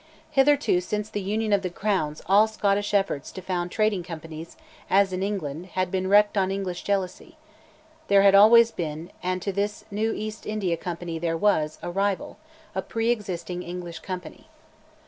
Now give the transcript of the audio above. Hitherto since the Union of the Crowns all Scottish efforts to found trading companies, as in England, had been wrecked on English jealousy: there had always been, and to this new East India Company there was, a rival, a pre existing English company.